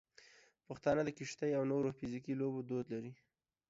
پښتانه د کشتۍ او نورو فزیکي لوبو دود لري.